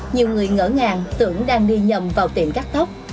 nhiều người ngỡ ngàng tưởng đang nghi nhầm vào tiệm cắt tóc